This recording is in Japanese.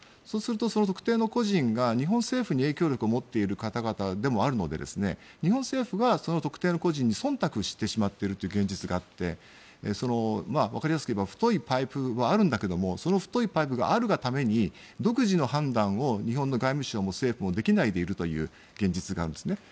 そうするとその特定の個人が日本政府に影響力を持っている方々でもあるので日本政府はその特定の個人にそんたくしてしまっているという現実があってわかりやすくいえば太いパイプはあるんだけどその太いパイプがあるが故に独自の判断を日本の外務省も政府もできないでいるという現実があるんですね。